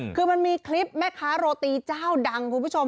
คือมันมีคลิปแม่ค้าโรตีเจ้าดังคุณผู้ชม